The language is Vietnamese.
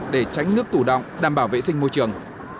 để tránh nước tủ động đảm bảo vệ sinh môi trường